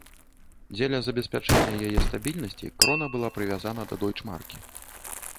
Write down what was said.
Дзеля забеспячэння яе стабільнасці крона была прывязана да дойчмаркі.